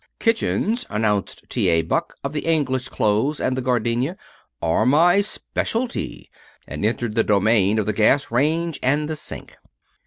"Kitchens," announced T. A. Buck of the English clothes and the gardenia, "are my specialty," and entered the domain of the gas range and the sink.